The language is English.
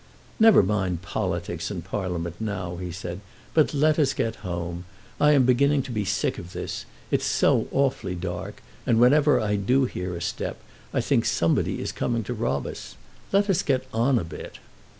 "Never mind politics and Parliament now," he said, "but let us get home. I am beginning to be sick of this. It's so awfully dark, and whenever I do hear a step, I think somebody is coming to rob us. Let us get on a bit."